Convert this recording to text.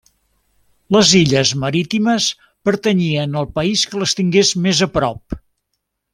Les illes marítimes pertanyien al país que les tingués més a prop.